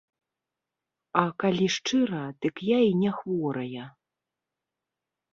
А, калі шчыра, дык я і не хворая.